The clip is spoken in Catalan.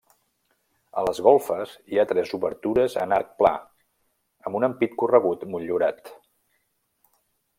A les golfes, hi ha tres obertures en arc pla, amb un ampit corregut motllurat.